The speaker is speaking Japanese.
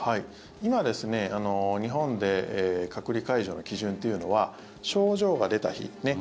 今、日本で隔離解除の基準っていうのは症状が出た日。